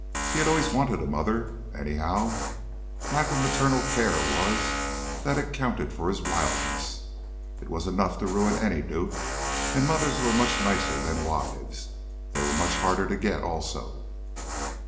He had always wanted a mother, anyhow; lack of maternal care it was that accounted for his wildness it was enough to ruin any duke and mothers were much nicer than wives. They were much harder to get, also.